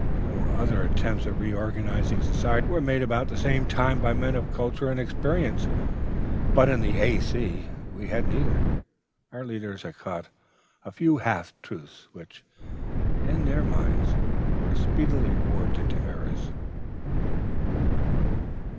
Other attempts at reorganizing Society were made about the same time by men of culture and experience, but in the A.C. we had neither. Our leaders had caught a few half truths, which, in their minds, were speedily warped into errors."